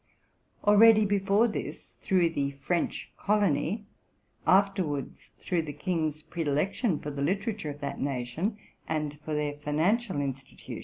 Already before this, through the French colony, afterwards through the king's predilection for the literature of that nation and for their financial institu RELATING TO MY LIFE.